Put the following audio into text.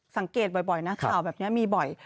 สังเกตบ่อยนะข่าวแบบนี้มีบ่อย